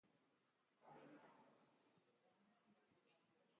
Hemen, azkenean ere heldu da termoaren txorrota!